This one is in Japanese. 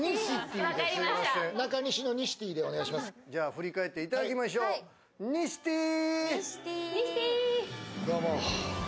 振り返っていただきましょう、ニシティー！